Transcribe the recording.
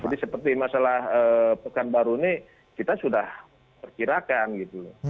jadi seperti masalah pekan baru ini kita sudah perkirakan gitu